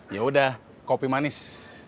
yaudah kopi manis